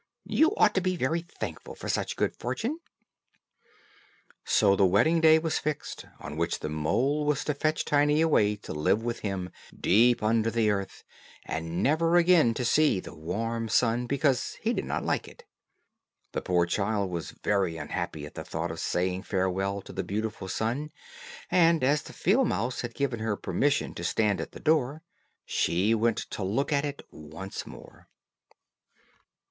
You ought to be very thankful for such good fortune." So the wedding day was fixed, on which the mole was to fetch Tiny away to live with him, deep under the earth, and never again to see the warm sun, because he did not like it. The poor child was very unhappy at the thought of saying farewell to the beautiful sun, and as the field mouse had given her permission to stand at the door, she went to look at it once more.